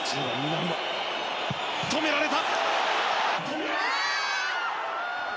止められた。